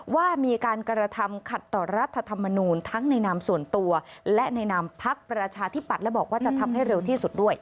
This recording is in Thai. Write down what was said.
ว่ามีการกระทำขัดต่อรัฐธรรมนูลทั้งในนามส่วนตัวและในนามพักประชาธิปัตย์และบอกว่าจะทำให้เร็วที่สุดด้วย